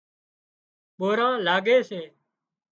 ٻوران لاڳي سي